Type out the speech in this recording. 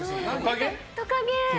トカゲ。